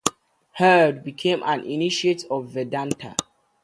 Heard became an initiate of Vedanta.